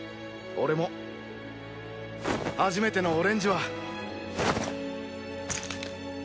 俺も初めてのオレンジは！